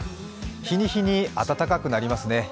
日に日に暖かくなりますね